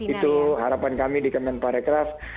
itu harapan kami di kemen parekraf